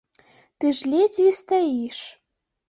Ты ж ледзьве стаіш.